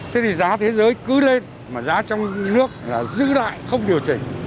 thế thì giá thế giới cứ lên mà giá trong nước là giữ lại không điều chỉnh